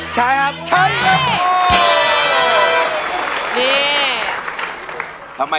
ใช้ครับ